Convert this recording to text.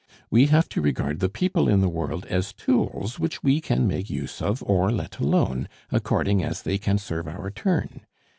"We have to regard the people in the world as tools which we can make use of or let alone, according as they can serve our turn.